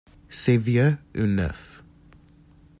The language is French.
C’est vieux ou neuf ?